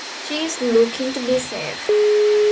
She is looking to be safe.